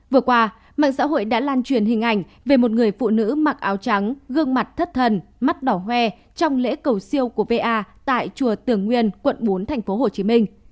vừa qua mạng xã hội đã lan truyền hình ảnh về một người phụ nữ mặc áo trắng gương mặt thất thần mắt đỏ hoe trong lễ cầu siêu của va tại chùa tưởng nguyên quận bốn tp hcm